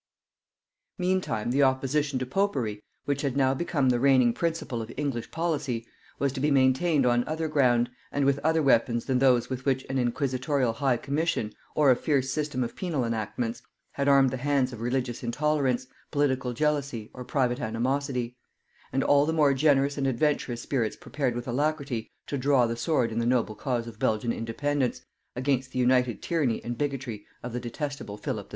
Meantime the opposition to popery, which had now become the reigning principle of English policy, was to be maintained on other ground, and with other weapons than those with which an inquisitorial high commission, or a fierce system of penal enactments, had armed the hands of religious intolerance, political jealousy, or private animosity; and all the more generous and adventurous spirits prepared with alacrity to draw the sword in the noble cause of Belgian independence, against the united tyranny and bigotry of the detestable Philip II.